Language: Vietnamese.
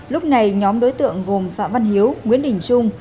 lúc này nhóm đối tượng gồm phạm văn hiếu nguyễn đình trung